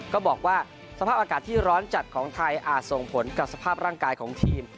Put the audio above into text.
ก็บอกว่าสภาพอากาศที่ร้อนจัดของไทยอาจส่งผลกับสภาพร่างกายของทีม